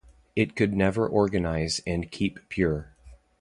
It could never organise and keep pure.